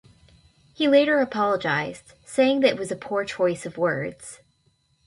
He later apologized, saying that it was a poor choice of words.